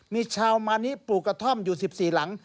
มีชาวมานิปลูกกระท่อมอยู่๑๔หลัง